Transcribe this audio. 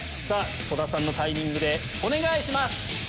戸田さんのタイミングでお願いします！